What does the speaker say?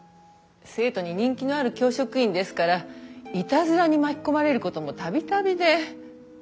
生徒に人気のある教職員ですからイタズラに巻き込まれることも度々で。